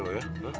hah hah hah